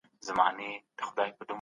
ویل جار دي